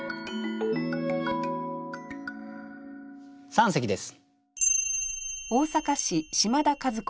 三席です。